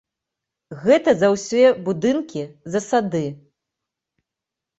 Гэта за ўсе будынкі, за сады.